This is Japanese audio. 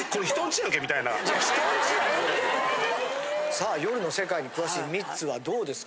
さあ夜の世界に詳しいミッツはどうですか？